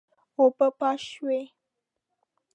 اوبه پاش شوې.